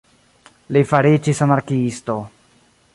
Li fariĝis anarkiisto.